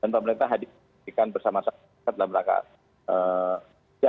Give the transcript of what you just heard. dan pemerintah hadir bersama masyarakat dalam melakukan